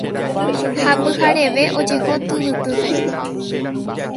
ha pyhareve ojeho tyvytýpe